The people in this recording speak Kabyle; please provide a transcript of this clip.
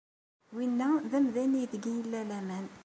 Winna d amdan aydeg yella laman.